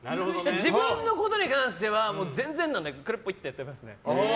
自分のことに関しては全然なので、くるってやってポイってやってますね。